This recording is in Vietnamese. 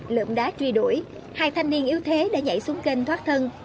lượm đá truy đuổi hai thanh niên yếu thế đã nhảy xuống kênh thoát thân